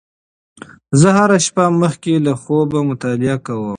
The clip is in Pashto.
زه هره شپه مخکې له خوبه مطالعه کوم.